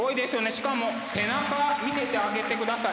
しかも背中見せてあげてください。